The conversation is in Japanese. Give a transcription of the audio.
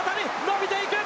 伸びていく！